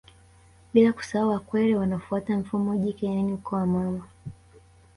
Bila kusahau Wakwere wanafuata mfumo jike yaani ukoo wa mama